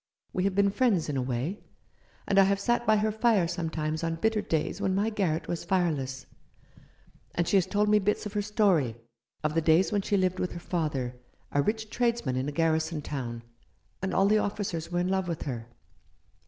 We have been friends in a way ; and I have sat by her fire sometimes on bitter days when my garret was fireless, and she has told me bits of her story— of the days when she lived with her father, a rich tradesman in a garrison town, and all the officers were in love with her.